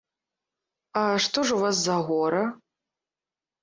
А што ж у вас за гора?